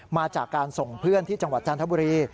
มาจากการส่งเพื่อนที่จังหวัดจันทบุรี